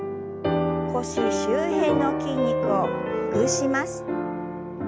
腰周辺の筋肉をほぐします。